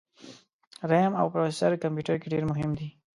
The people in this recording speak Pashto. رېم او پروسیسر کمپیوټر کي ډېر مهم دي